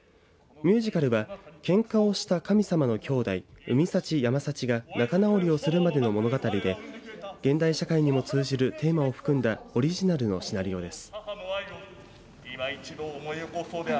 ミュージカルはけんかをした神様の兄弟海幸山幸が仲直りをするまでの物語で現代社会にも通じるテーマを含んだオリジナルのシナリオです。